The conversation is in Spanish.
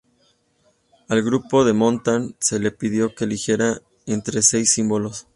Al grupo de Montan se le pidió que eligiera entre seis símbolos.